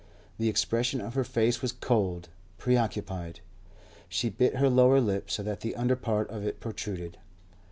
The expression of her face was cold, preoccupied; she bit her lower lip so that the under part of it protruded.